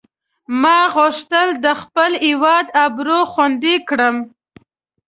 ما غوښتل د خپل هیواد آبرو خوندي کړم.